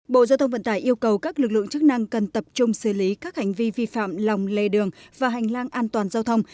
bộ giao thông vận tải yêu cầu các lực lượng chức năng cần tập trung xử lý các hành vi vi phạm lòng lề đường và hành lang an toàn giao thông